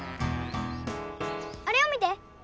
あれを見て！